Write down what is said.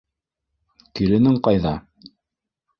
Киленең ҡайҙа?